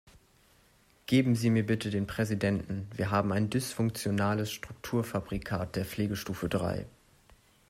Geben Sie mir bitte den Präsidenten, wir haben ein dysfunktionales Strukturfabrikat der Pflegestufe drei.